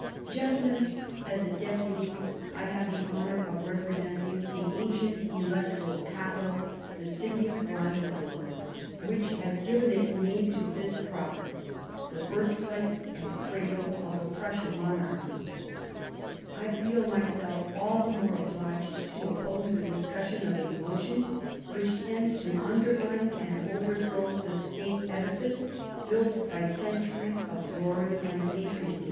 Gentlemen, as a Deputy I have the honour of representing the ancient electoral capital, the city of Brandenburg, which has given its name to this Province, the birthplace and cradle of the Prussian monarchy ; I feel myself all the more obliged to oppose the discussion of a motion which tends to undermine and overthrow the State Edifice built by centuries of glory and patriotism.